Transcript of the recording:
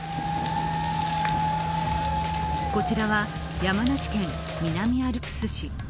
こちらは山梨県南アルプス市。